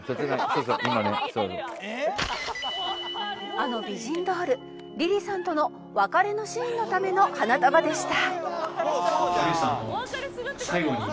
「あの美人ドールりりさんとの別れのシーンのための花束でした」